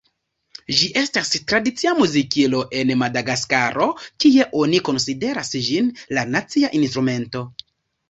Ĝi estas tradicia muzikilo en Madagaskaro, kie oni konsideras ĝin "la nacia instrumento".